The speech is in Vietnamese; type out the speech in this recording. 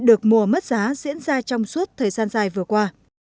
được mùa mất giá diễn ra trong suốt thời gian dài vừa qua